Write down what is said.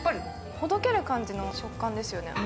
ほどける感じの食感ですよね。